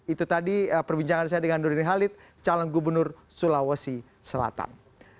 itu tadi perbincangan saya dengan nurdin halid calon gubernur sulawesi selatan